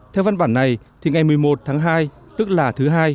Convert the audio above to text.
theo văn bản này thì ngày một mươi một tháng hai tức là thứ hai